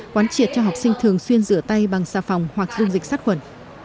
quán triệt cho học sinh thường xuyên rửa tay bằng xà phòng hoặc dung dịch sát khuẩn